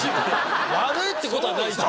悪いってことはないでしょ。